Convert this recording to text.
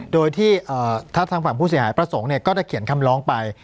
โดยที่ทัศนฝั่งผู้เสียหายประสงค์เนี่ยก็จะเขียนคำร้องไป